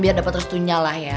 biar dapat terus tuh nyalah ya